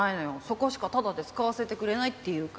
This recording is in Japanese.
そこしかタダで使わせてくれないっていうから。